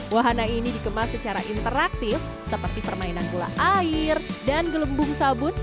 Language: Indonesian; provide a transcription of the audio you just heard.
wahana ini dikemas secara interaktif seperti permainan gula air dan gelembung sabut